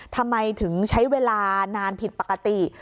ทำไมถึงใช้เวลานานผิดปกติ